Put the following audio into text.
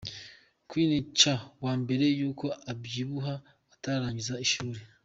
Queen Cha wa mbere yuko abyibuha atararangiza ishuri.